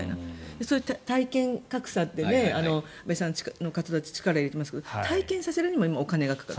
そういう体験格差って安部さんたちが活動に力を入れてますが体験させるにも今お金がかかる。